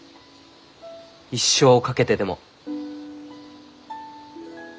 一生を懸けてでも。